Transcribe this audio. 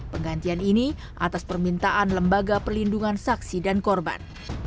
penggantian ini atas permintaan lembaga perlindungan saksi dan korban